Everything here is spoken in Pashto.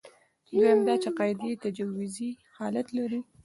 دویم دا چې قاعدې تجویزي حالت لري.